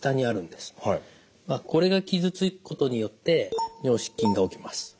これが傷つくことによって尿失禁が起きます。